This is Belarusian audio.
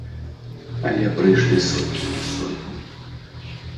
Але прыйшлі сотні і сотні.